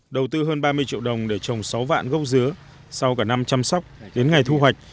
đầu tư hơn ba mươi triệu đồng để trồng sáu vạn gốc dứa sau cả năm chăm sóc đến ngày thu hoạch